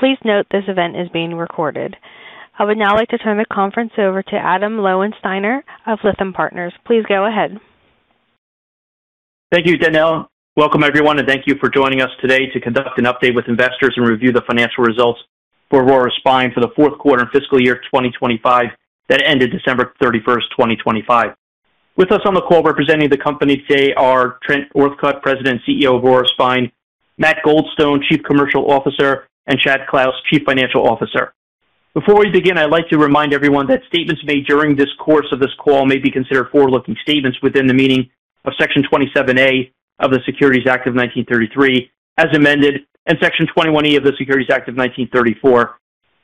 Please note t his event is being recorded. I would now like to turn the conference over to Adam Lowensteiner of Lytham Partners. Please go ahead. Thank you, Danielle. Welcome, everyone, and thank you for joining us today to conduct an update with investors and review the financial results for Aurora Spine for the Q4 and fiscal year 2025 that ended December 31st, 2025. With us on the call representing the company today are Trent Northcutt, President and Chief Executive Officer of Aurora Spine, Matt Goldstone, Chief Commercial Officer, and Chad Clouse, Chief Financial Officer. Before we begin, I'd like to remind everyone that statements made during this course of this call may be considered forward-looking statements within the meaning of Section 27A of the Securities Act of 1933, as amended, and Section 21E of the Securities Exchange Act of 1934.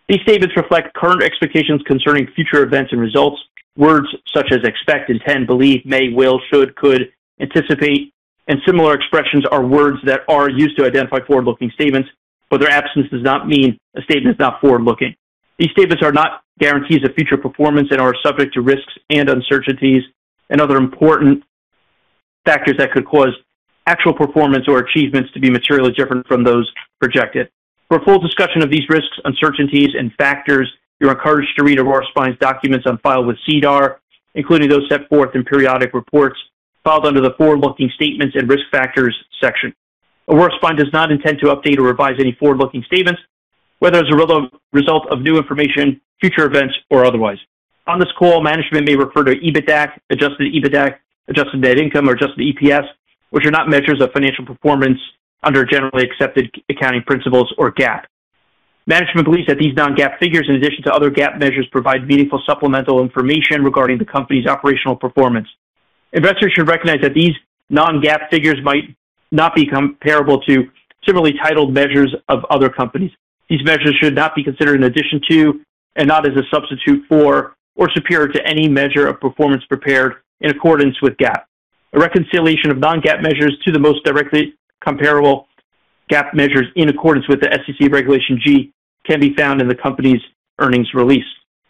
These statements reflect current expectations concerning future events and results. Words such as expect, intend, believe, may, will, should, could, anticipate, and similar expressions are words that are used to identify forward-looking statements, but their absence does not mean a statement is not forward-looking. These statements are not guarantees of future performance and are subject to risks and uncertainties and other important factors that could cause actual performance or achievements to be materially different from those projected. For a full discussion of these risks, uncertainties, and factors, you're encouraged to read Aurora Spine's documents on file with SEC, including those set forth in periodic reports filed under the Forward-Looking Statements and Risk Factors section. Aurora Spine does not intend to update or revise any forward-looking statements, whether as a result of new information, future events, or otherwise. On this call, management may refer to EBITDA, adjusted EBITDA, Adjusted Net Income, or adjusted EPS, which are not measures of financial performance under generally accepted accounting principles or GAAP. Management believes that these non-GAAP figures, in addition to other GAAP measures, provide meaningful supplemental information regarding the company's operational performance. Investors should recognize that these non-GAAP figures might not be comparable to similarly titled measures of other companies. These measures should not be considered in addition to and not as a substitute for or superior to any measure of performance prepared in accordance with GAAP. A reconciliation of non-GAAP measures to the most directly comparable GAAP measures in accordance with the SEC Regulation G can be found in the company's earnings release.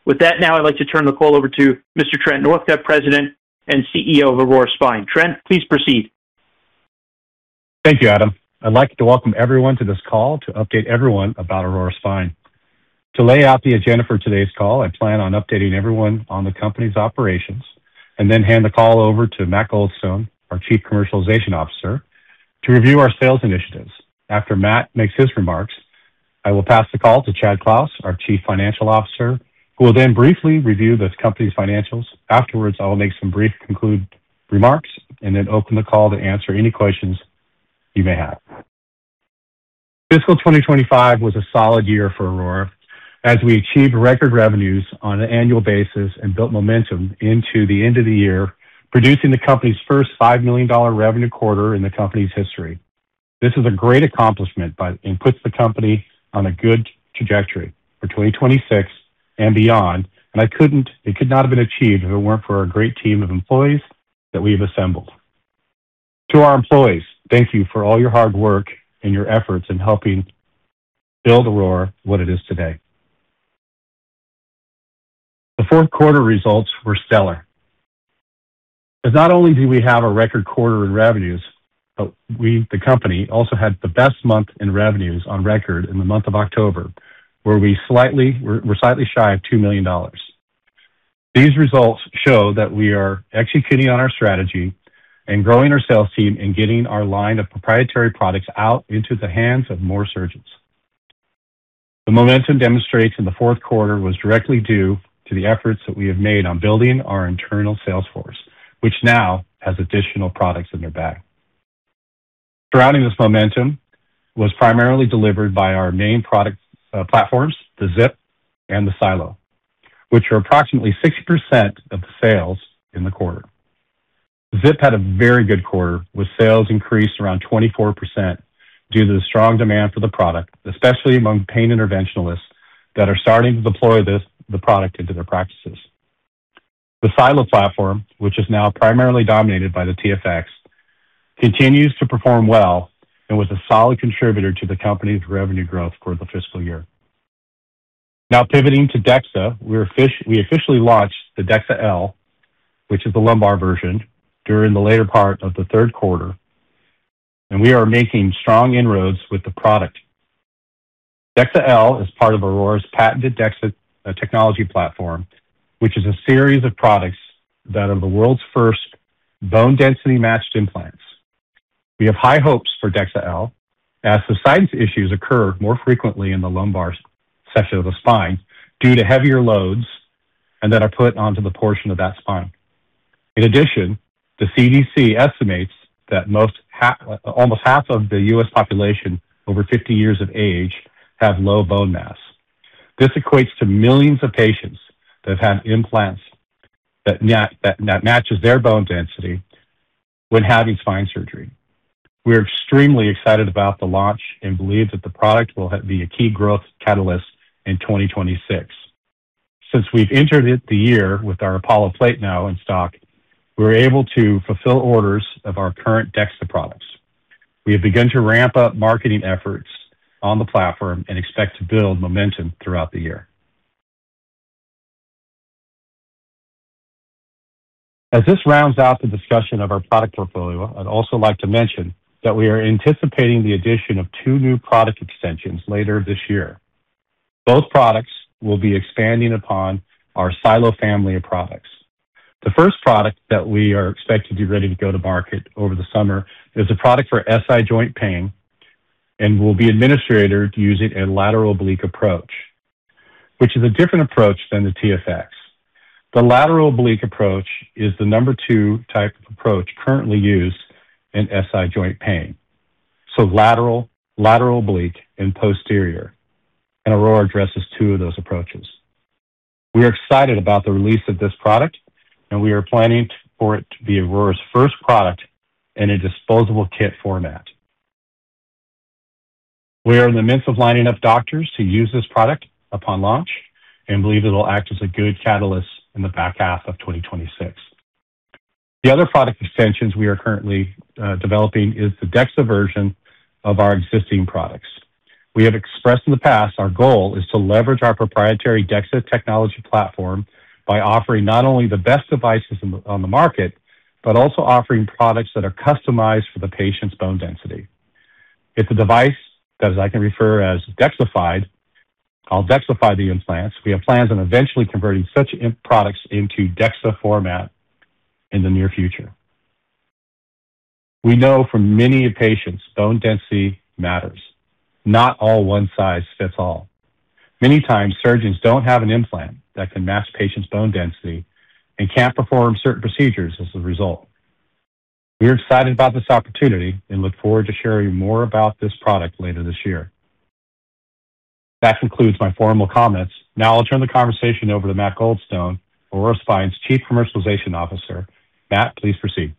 With that, now I'd like to turn the call over to Mr. Trent Northcutt, President and Chief Executive Officer of Aurora Spine. Trent, please proceed. Thank you, Adam Lowensteiner. I'd like to welcome everyone to this call to update everyone about Aurora Spine. To lay out the agenda for today's call, I plan on updating everyone on the company's operations and then hand the call over to Matt Goldstone, our Chief Commercial Officer, to review our sales initiatives. After Matt makes his remarks, I will pass the call to Chad Clouse, our Chief Financial Officer, who will then briefly review this company's financials. Afterwards, I will make some brief concluding remarks and then open the call to answer any questions you may have. Fiscal 2025 was a solid year for Aurora Spine as we achieved record revenues on an annual basis and built momentum into the end of the year, producing the company's first $5 million revenue quarter in the company's history. This is a great accomplishment, and puts the company on a good trajectory for 2026 and beyond, and it could not have been achieved if it weren't for our great team of employees that we have assembled. To our employees, thank you for all your hard work and your efforts in helping build Aurora what it is today. The Q4 results were stellar, as not only do we have a record quarter in revenues, but we, the company, also had the best month in revenues on record in the month of October, where we're slightly shy of $2 million. These results show that we are executing on our strategy and growing our sales team and getting our line of proprietary products out into the hands of more surgeons. The momentum demonstrated in the Q4 was directly due to the efforts that we have made on building our internal sales force, which now has additional products in their bag. Surrounding this momentum was primarily delivered by our main product platforms, the ZIP and the SiLO, which are approximately 60% of the sales in the quarter. ZIP had a very good quarter, with sales increased around 24% due to the strong demand for the product, especially among pain interventionalists that are starting to deploy this, the product into their practices. The SiLO platform, which is now primarily dominated by the TFX, continues to perform well and was a solid contributor to the company's revenue growth for the fiscal year. Now pivoting to DEXA, we officially launched the DEXA-L, which is the lumbar version, during the later part of the Q3. We are making strong inroads with the product. DEXA-L is part of Aurora Spine's patented DEXA Technology Platform, which is a series of products that are the world's first bone density matched implants. We have high hopes for DEXA-L as the science issues occur more frequently in the lumbar section of the spine due to heavier loads and that are put onto the portion of that spine. In addition, the CDC estimates that almost half of the U.S. population over 50 years of age have low bone mass. This equates to millions of patients that have had implants that matches their bone density when having spine surgery. We're extremely excited about the launch and believe that the product will be a key growth catalyst in 2026. Since we've entered it the year with our APOLLO plate now in stock, we're able to fulfill orders of our current DEXA products. We have begun to ramp up marketing efforts on the platform and expect to build momentum throughout the year. As this rounds out the discussion of our product portfolio, I'd also like to mention that we are anticipating the addition of two new product extensions later this year. Both products will be expanding upon our SiLO family of products. The first product that we are expecting to be ready to go to market over the summer is a product for SI joint pain and will be administered using a lateral oblique approach, which is a different approach than the TFX. The lateral oblique approach is the number 2 type of approach currently used in SI joint pain. Lateral, lateral oblique, and posterior, and Aurora addresses two of those approaches. We are excited about the release of this product, and we are planning for it to be Aurora's first product in a disposable kit format. We are in the midst of lining up doctors to use this product upon launch and believe it'll act as a good catalyst in the H2 of 2026. The other product extensions we are currently developing is the DEXA version of our existing products. We have expressed in the past our goal is to leverage our proprietary DEXA Technology Platform by offering not only the best devices on the market, but also offering products that are customized for the patient's bone density. It's a device that I can refer as DEXIfied. I'll DEXIfy the implants. We have plans on eventually converting such products into DEXA format in the near future. We know for many patients, bone density matters. Not all one size fits all. Many times, surgeons don't have an implant that can match patient's bone density and can't perform certain procedures as a result. We are excited about this opportunity and look forward to sharing more about this product later this year. That concludes my formal comments. I'll turn the conversation over to Matt Goldstone, Aurora Spine's Chief Commercialization Officer. Matt, please proceed.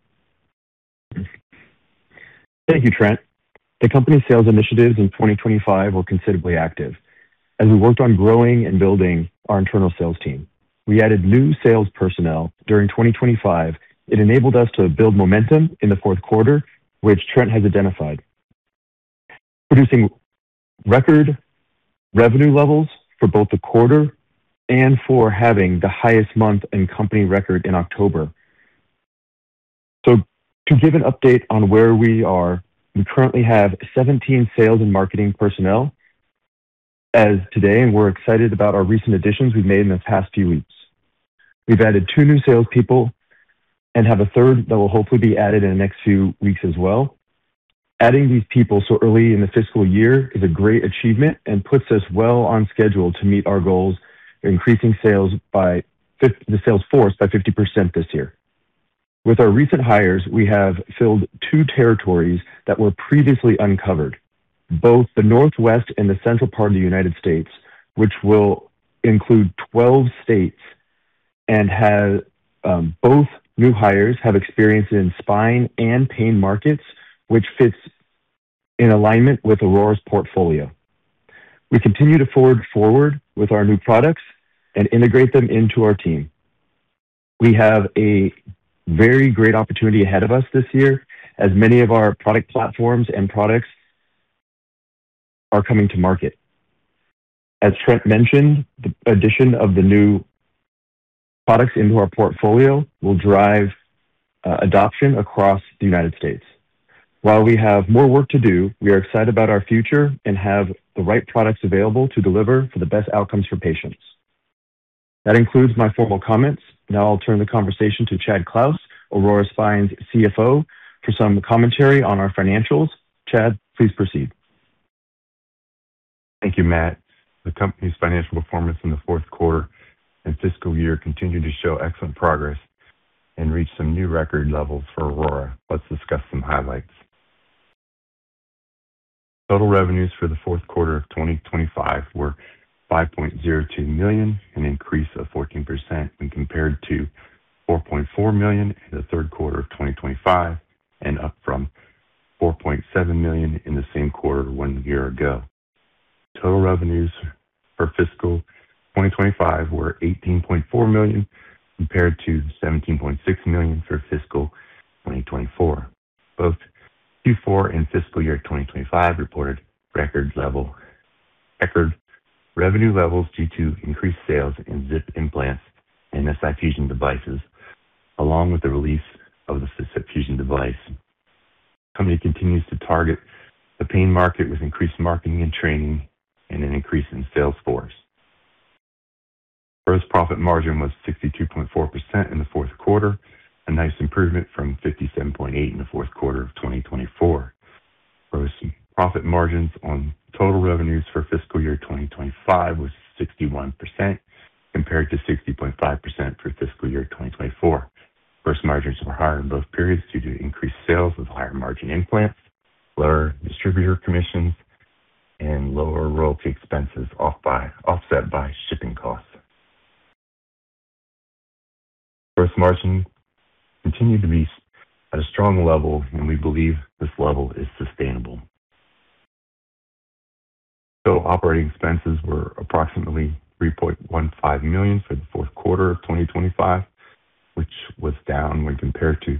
Thank you, Trent. The company sales initiatives in 2025 were considerably active as we worked on growing and building our internal sales team. We added new sales personnel during 2025. It enabled us to build momentum in the Q4, which Trent has identified, producing record revenue levels for both the quarter and for having the highest month in company record in October. To give an update on where we are, we currently have 17 sales and marketing personnel as today, and we're excited about our recent additions we've made in the past few weeks. We've added two new salespeople and have a third that will hopefully be added in the next few weeks as well. Adding these people so early in the fiscal year is a great achievement and puts us well on schedule to meet our goals increasing sales by the sales force by 50% this year. With our recent hires, we have filled two territories that were previously uncovered, both the Northwest and the central part of the United States, which will include 12 states. Both new hires have experience in spine and pain markets, which fits in alignment with Aurora's portfolio. We continue to forge forward with our new products and integrate them into our team. We have a very great opportunity ahead of us this year as many of our product platforms and products are coming to market. As Trent mentioned, the addition of the new products into our portfolio will drive adoption across the United States. While we have more work to do, we are excited about our future and have the right products available to deliver for the best outcomes for patients. That concludes my formal comments. Now I'll turn the conversation to Chad Clouse, Aurora Spine's CFO, for some commentary on our financials. Chad, please proceed. Thank you, Matt. The company's financial performance in the Q4 and fiscal year continued to show excellent progress and reach some new record levels for Aurora Spine. Let's discuss some highlights. Total revenues for the Q4 of 2025 were $5.02 million, an increase of 14% when compared to $4.4 million in the Q3 of 2025 and up from $4.7 million in the same quarter one year ago. Total revenues for fiscal 2025 were $18.4 million compared to $17.6 million for fiscal 2024. Both Q4 and fiscal year 2025 reported record revenue levels due to increased sales in ZIP implants and SI Fusion devices, along with the release of the Fusion device. Company continues to target the pain market with increased marketing and training and an increase in sales force. Gross profit margin was 62.4% in the Q4, a nice improvement from 57.8% in the Q4 of 2024. Gross profit margins on total revenues for fiscal year 2025 was 61% compared to 60.5% for fiscal year 2024. Gross margins were higher in both periods due to increased sales of higher margin implants, lower distributor commissions, and lower royalty expenses offset by shipping costs. Gross margin continued to be at a strong level, and we believe this level is sustainable. Total operating expenses were approximately $3.15 million for the Q4 of 2025, which was down when compared to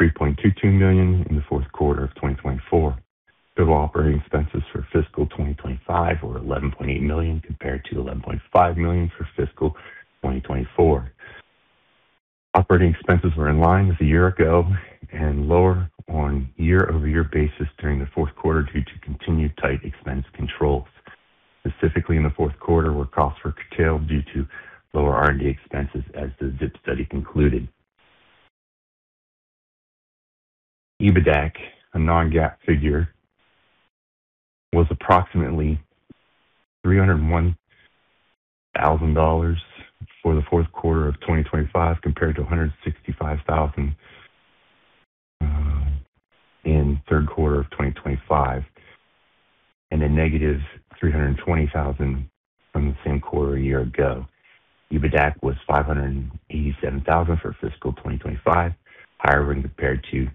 $3.22 million in the Q4 of 2024. Total operating expenses for fiscal 2025 were $11.8 million compared to $11.5 million for fiscal 2024. Operating expenses were in line with a year ago and lower on a year-over-year basis during the Q4 due to continued tight expense controls. Specifically in the Q4, where costs were curtailed due to lower R&D expenses as the ZIP study concluded. EBITDAC, a non-GAAP figure, was approximately $301,000 for the Q4 of 2025 compared to $165,000 in Q3 of 2025, and a -$320,000 from the same quarter a year ago. EBITDAC was $587,000 for fiscal 2025, higher when compared to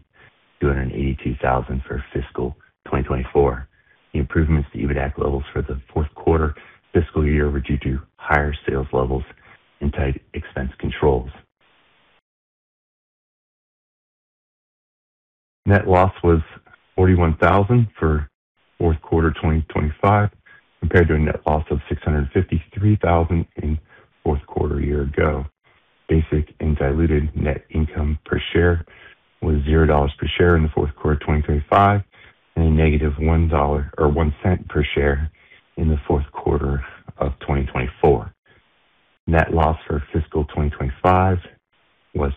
$282,000 for fiscal 2024. The improvements to EBITDAC levels for the Q4 fiscal year were due to higher sales levels and tight expense controls. Net loss was $41,000 for Q4 2025 compared to a net loss of $653,000 in Q4 a year ago. Basic and diluted net income per share was $0 per share in the Q4 of 2025 and a -$0.01 per share in the Q4 of 2024. Net loss for fiscal 2025 was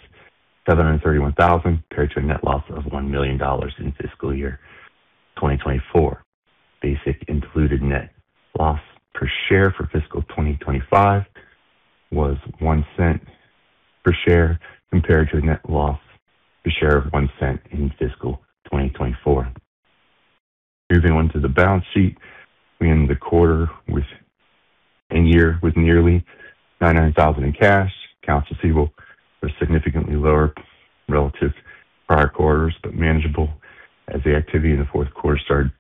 $731,000 compared to a net loss of $1 million in fiscal year 2024. Basic and diluted net loss per share for fiscal 2025 was $0.01 per share compared to a net loss per share of $0.01 in fiscal 2024. Moving on to the balance sheet, we ended the quarter with a year with nearly $99,000 in cash. Accounts receivable were significantly lower relative prior quarters, but manageable as the activity in the Q4 started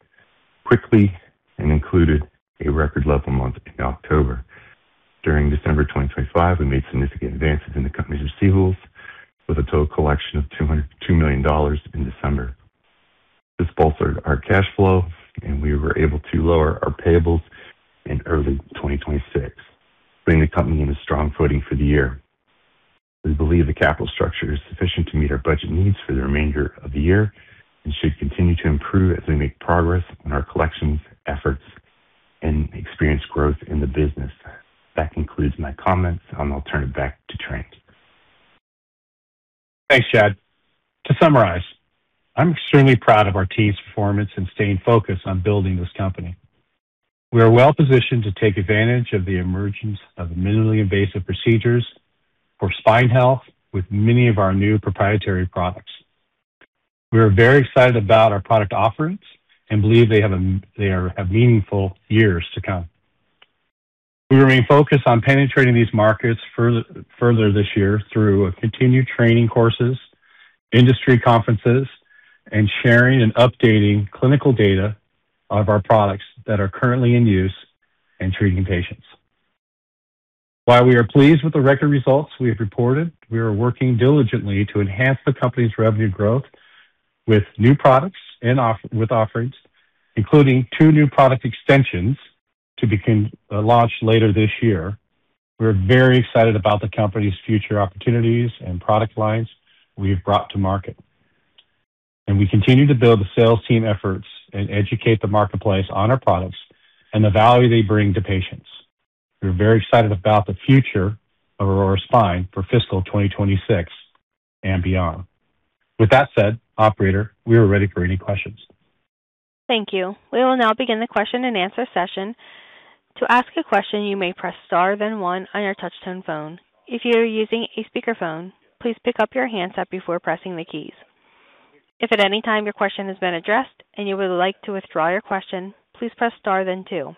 quickly and included a record level month in October. During December 2025, we made significant advances in the company's receivables with a total collection of $202 million in December. This bolstered our cash flow, and we were able to lower our payables in early 2026, putting the company in a strong footing for the year. We believe the capital structure is sufficient to meet our budget needs for the remainder of the year and should continue to improve as we make progress on our collections efforts and experience growth in the business. That concludes my comments, and I'll turn it back to Trent. Thanks, Chad. To summarize, I'm extremely proud of our team's performance in staying focused on building this company. We are well-positioned to take advantage of the emergence of minimally invasive procedures for spine health with many of our new proprietary products. We are very excited about our product offerings and believe they have meaningful years to come. We remain focused on penetrating these markets further this year through continued training courses, industry conferences, and sharing and updating clinical data of our products that are currently in use and treating patients. While we are pleased with the record results we have reported, we are working diligently to enhance the company's revenue growth with new products and with offerings, including two new product extensions to be launched later this year. We're very excited about the company's future opportunities and product lines we have brought to market. We continue to build the sales team efforts and educate the marketplace on our products and the value they bring to patients. We're very excited about the future of Aurora Spine for fiscal 2026 and beyond. With that said, operator, we are ready for any questions. Thank you. We will now begin the question and answer session. To ask a question, you may press star then one on your touch-tone phone. If you are using a speakerphone, please pick up your handset before pressing the keys. If at any time your question has been addressed and you would like to withdraw your question, please press star then two.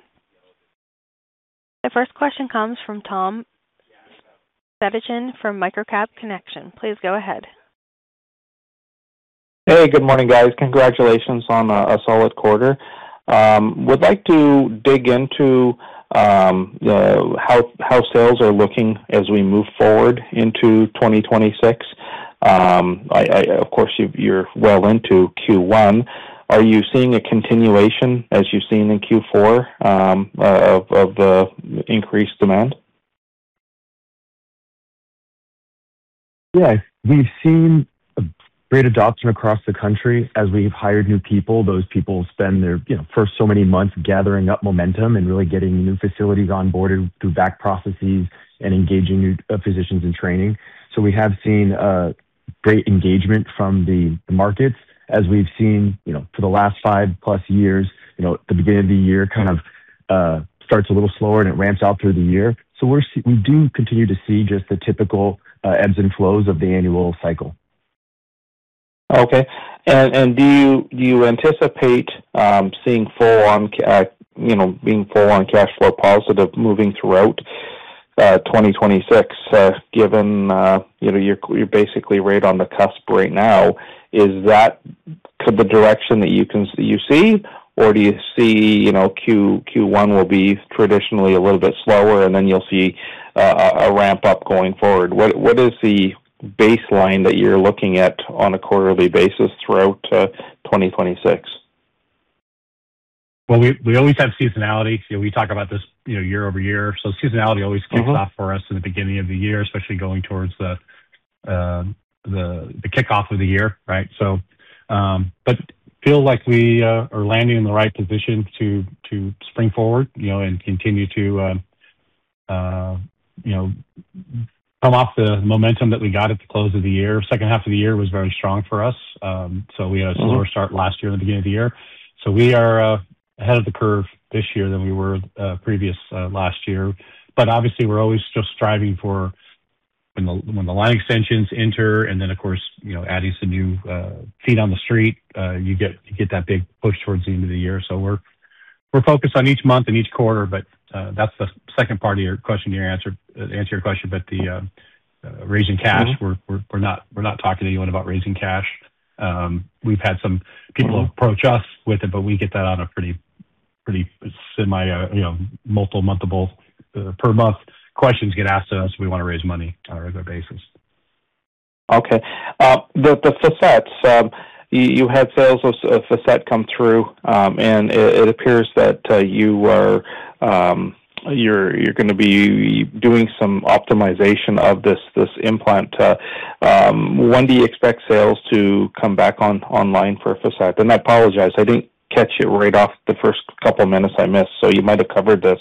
The first question comes from Tom Fedichin from MicroCap Connection. Please go ahead. Hey, good morning, guys. Congratulations on a solid quarter. Would like to dig into how sales are looking as we move forward into 2026. Of course, you're well into Q1. Are you seeing a continuation as you've seen in Q4 of the increased demand? Yes. We've seen great adoption across the country. As we've hired new people, those people spend their, you know, first so many months gathering up momentum and really getting new facilities onboarded through back processes and engaging new physicians in training. We have seen great engagement from the markets. As we've seen, you know, for the last 5-plus years, you know, at the beginning of the year, kind of, starts a little slower, and it ramps out through the year. We do continue to see just the typical ebbs and flows of the annual cycle. Okay. Do you anticipate seeing full on, you know, being full on cash flow positive moving throughout 2026, given, you know, you're basically right on the cusp right now. Is that kind of the direction that you see, or do you see, you know, Q1 will be traditionally a little bit slower, and then you'll see a ramp up going forward? What is the baseline that you're looking at on a quarterly basis throughout 2026? Well, we always have seasonality. You know, we talk about this, you know, year-over-year, kicks off for us in the beginning of the year, especially going towards the kickoff of the year, right? Feel like we are landing in the right position to spring forward, you know, and continue to, you know, come off the momentum that we got at the close of the year. H2 of the year was very strong for us, so slower start last year in the beginning of the year. We are ahead of the curve this year than we were previous last year. Obviously, we're always just striving for when the line extensions enter and then, of course, you know, adding some new feet on the street, you get that big push towards the end of the year. We're focused on each month and each quarter. That's the second part of your question, your answer your question. The raising cash. We're not talking to anyone about raising cash. We've had some people approach us with it, but we get that on a pretty semi, you know, multiple month-able, per month questions get asked to us. We wanna raise money on a regular basis. Okay. The Facet. You had sales of Facet come through, it appears that you are gonna be doing some optimization of this implant. When do you expect sales to come back online for Facet? I apologize, I didn't catch it right off the first couple minutes I missed, so you might have covered this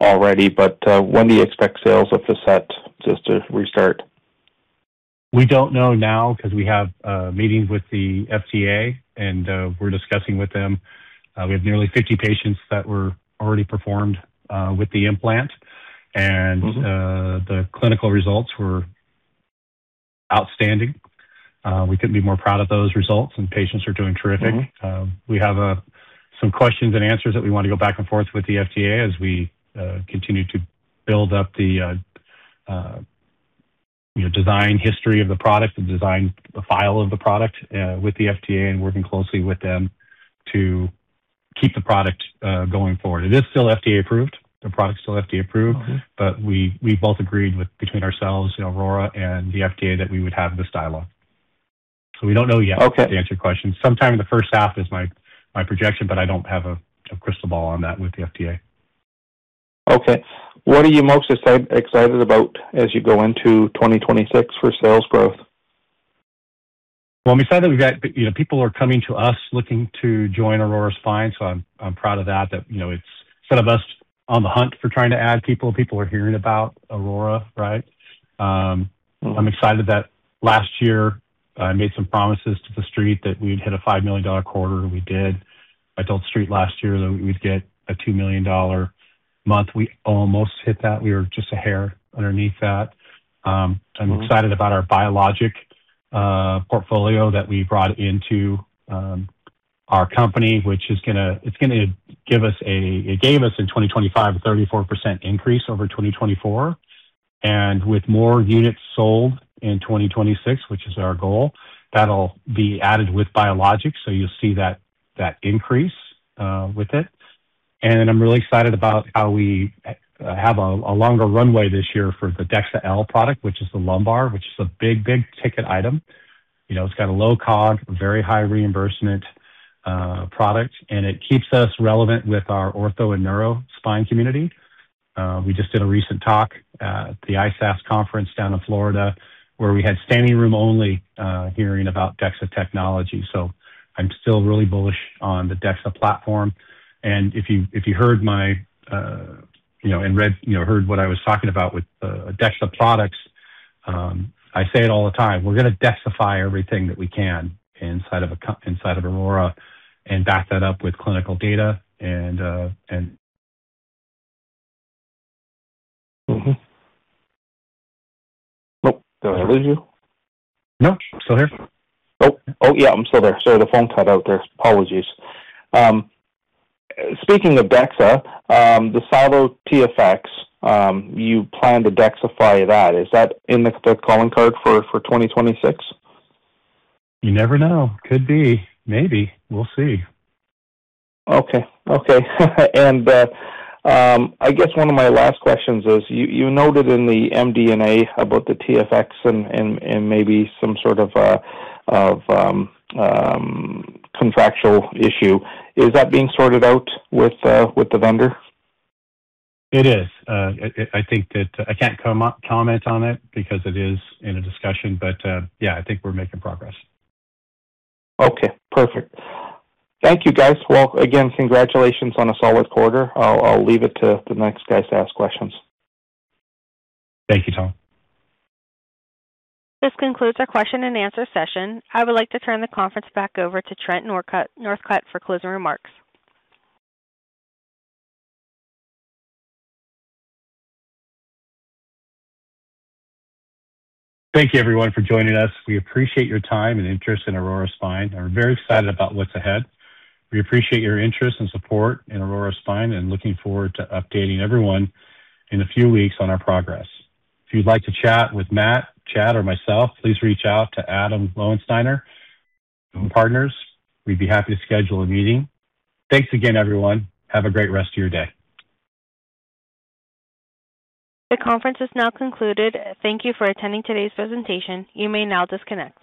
already. When do you expect sales of Facet just to restart? We don't know now 'cause we have meetings with the FDA and we're discussing with them. We have nearly 50 patients that were already performed with the implant. The clinical results were outstanding. We couldn't be more proud of those results, and patients are doing terrific. We have some questions and answers that we wanna go back and forth with the FDA as we continue to build up the, you know, design history of the product and design the file of the product with the FDA and working closely with them to keep the product going forward. It is still FDA approved. The product's still FDA approved. Okay. We both agreed with between ourselves, you know, Aurora and the FDA, that we would have this dialogue. We don't know yet. Okay To answer your question. Sometime in the H1 is my projection, but I don't have a crystal ball on that with the FDA. Okay. What are you most excited about as you go into 2026 for sales growth? Well, I'm excited we got, you know, people are coming to us looking to join Aurora Spine. I'm proud of that, you know, it's instead of us on the hunt for trying to add people are hearing about Aurora, right? I'm excited that last year I made some promises to the street that we'd hit a $5 million quarter, we did. I told street last year that we'd get a $2 million month. We almost hit that. We were just a hair underneath that. I'm excited about our biologic portfolio that we brought into our company, which is gonna give us a 34% increase over 2024. With more units sold in 2026, which is our goal, that'll be added with biologics. You'll see that increase with it. I'm really excited about how we have a longer runway this year for the DEXA-L product, which is the lumbar, which is a big ticket item. You know, it's got a low cog, very high reimbursement product, and it keeps us relevant with our ortho and neuro spine community. We just did a recent talk at the ISASS conference down in Florida, where we had standing room only hearing about DEXA Technology Platform. I'm still really bullish on the DEXA Technology Platform. If you heard my, you know, and read, you know, heard what I was talking about with DEXA products, I say it all the time, we're gonna DEXIfy everything that we can inside of Aurora and back that up with clinical data. Oh, did I lose you? No, still here. Oh, yeah. I'm still there. Sorry, the phone cut out there. Apologies. Speaking of DEXA, the SiLO TFX, you plan to DEXIfy that. Is that in the calling card for 2026? You never know. Could be. Maybe. We'll see. Okay. I guess one of my last questions is, you noted in the MD&A about the TFX and maybe some sort of contractual issue. Is that being sorted out with the vendor? It is. I think that I can't comment on it because it is in a discussion, but yeah, I think we're making progress. Okay. Perfect. Thank you, guys. Well, again, congratulations on a solid quarter. I'll leave it to the next guys to ask questions. Thank you, Tom. This concludes our question and answer session. I would like to turn the conference back over to Trent Northcutt for closing remarks. Thank you everyone for joining us. We appreciate your time and interest in Aurora Spine, and we're very excited about what's ahead. We appreciate your interest and support in Aurora Spine and looking forward to updating everyone in a few weeks on our progress. If you'd like to chat with Matt, Chad, or myself, please reach out to Adam Lowensteiner or Lytham Partners. We'd be happy to schedule a meeting. Thanks again, everyone. Have a great rest of your day. The conference is now concluded. Thank you for attending today's presentation. You may now disconnect.